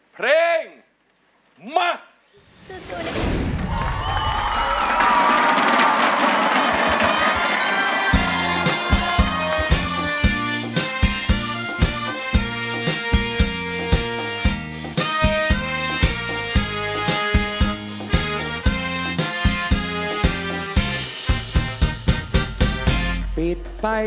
เพลงมา